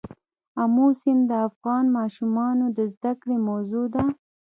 آمو سیند د افغان ماشومانو د زده کړې موضوع ده.